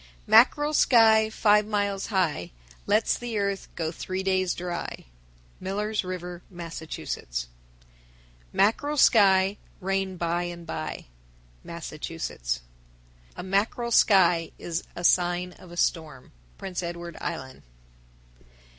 _ 1020. Mackerel sky Five miles high Lets the earth Go three days dry. Miller's River, Mass. 1021. Mackerel sky, Rain by and by. Massachusetts. 1022. A mackerel sky is a sign of a storm. _Prince Edward Island.